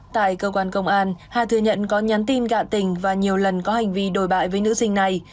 tại cơ quan công an hà thừa nhận có nhắn tin gạ tình và nhiều lần có hành vi đồi bại với nữ sinh này